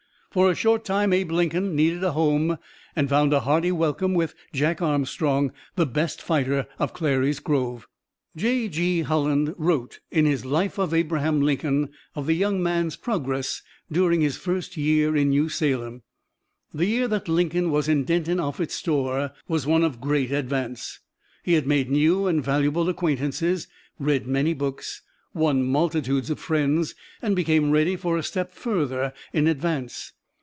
For a short time Abe Lincoln needed a home, and found a hearty welcome with Jack Armstrong, the best fighter of Clary's Grove! J. G. Holland wrote, in his "Life of Abraham Lincoln," of the young man's progress during his first year in New Salem: "The year that Lincoln was in Denton Offutt's store was one of great advance. He had made new and valuable acquaintances, read many books, won multitudes of friends, and become ready for a step further in advance.